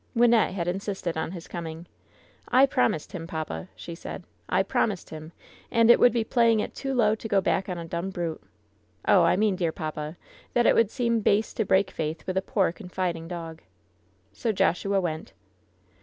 Wynnette had insisted on his coming. 'T promised him, papa," she said — ^'^I promised him ; and it would be playing it too low to go back on a dumb brute — oh ! I mean, dear papa, that it would seem base to break faith with a poor, confiding dog." So Joshua went.